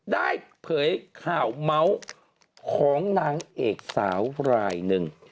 เผยข่าวเมาส์ของนางเอกสาวรายหนึ่ง